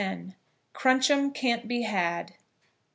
CRUNCH'EM CAN'T BE HAD.